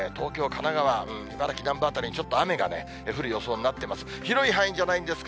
神奈川、茨城南部辺りにちょっと雨が降る予想になってます。